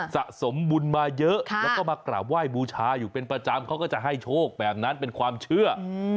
สะสมบุญมาเยอะแล้วก็มากราบไหว้บูชาอยู่เป็นประจำเขาก็จะให้โชคแบบนั้นเป็นความเชื่อ